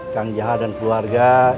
kang jahal dan keluarga